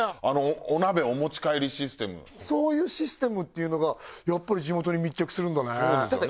お鍋お持ち帰りシステムそういうシステムっていうのがやっぱり地元に密着するんだねだって